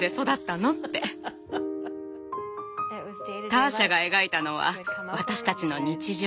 ターシャが描いたのは私たちの日常。